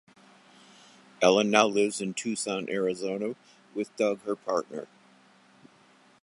Ellen now lives in Tucson, Arizona with Doug, her partner.